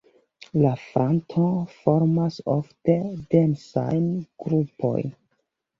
La planto formas ofte densajn grupojn.